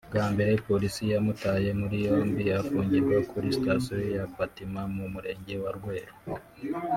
Bwa mbere Polisi yamutaye muri yombi afungirwa kuri sitasiyo ya Batima mu Murenge wa Rweru